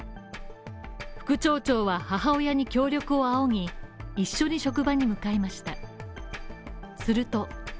副町長は母親に協力を仰ぎ、一緒に職場に向かいました。